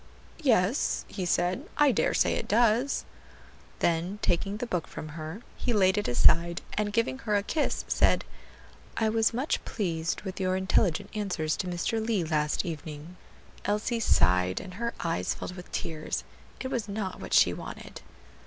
"Yes," he said, "I dare say it does." Then taking the book from her, he laid it aside, and giving her a kiss, said, "I was much pleased with your intelligent answers to Mr. Lee, last evening." Elsie sighed, and her eyes filled with tears. It was not what she wanted.